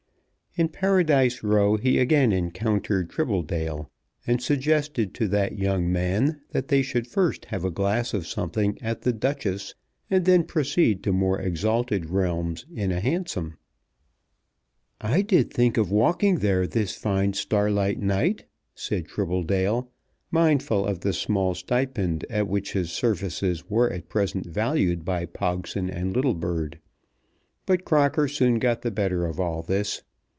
In Paradise Row he again encountered Tribbledale, and suggested to that young man that they should first have a glass of something at the "Duchess" and then proceed to more exalted realms in a hansom. "I did think of walking there this fine starlight night," said Tribbledale, mindful of the small stipend at which his services were at present valued by Pogson and Littlebird. But Crocker soon got the better of all this.